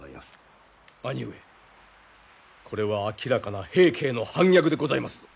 兄上これは明らかな平家への反逆でございますぞ！